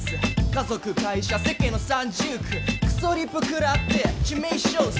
家族会社世間の三重苦クソリプくらって致命傷ッス